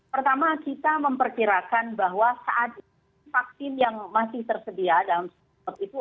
pertama kita memperkirakan bahwa saat ini vaksin yang masih tersedia dalam stok itu